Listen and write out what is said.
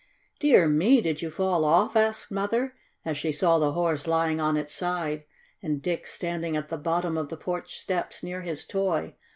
"Dear me! Did you fall off?" asked Mother, as she saw the Horse lying on its side and Dick standing at the bottom of the porch steps near his toy.